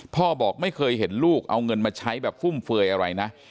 บอกไม่เคยเห็นลูกเอาเงินมาใช้แบบฟุ่มเฟยอะไรนะ